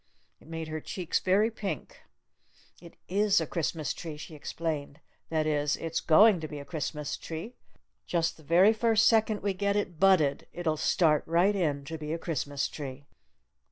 It made her cheeks very pink. "It is a Christmas tree," she explained. "That is, it's going to be a Christmas tree! Just the very first second we get it 'budded' it'll start right in to be a Christmas tree!"